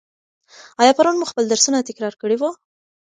آیا پرون مو خپل درسونه تکرار کړي وو؟